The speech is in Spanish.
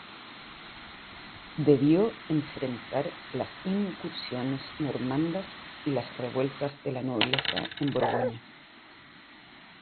Debió enfrentar las incursiones normandas y las revueltas de la nobleza en Borgoña.